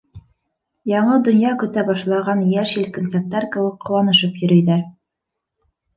Яңы донъя көтә башлаған йәш-елкенсәктәр кеүек ҡыуанышып йөрөйҙәр.